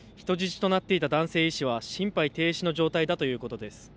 人質となっていた男性医師は心肺停止の状態だということです。